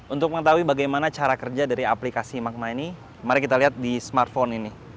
untuk mengetahui bagaimana cara kerja dari aplikasi magma ini mari kita lihat di smartphone ini